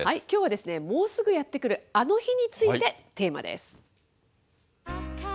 きょうはもうすぐやって来る、あの日についてテーマです。